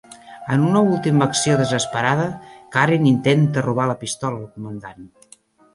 En una última acció desesperada, Karin intenta robar la pistola al comandant.